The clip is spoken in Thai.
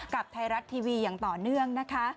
กับไทยรัตน์ทีวีอย่างต่อเนื่อง